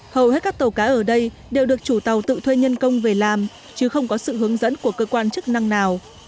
hầu hết các tàu cá ở đây đều được chủ tàu tự thuê nhân công về làm chứ không có sự hướng dẫn của cơ quan chức năng nào